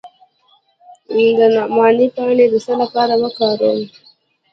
د نعناع پاڼې د څه لپاره وکاروم؟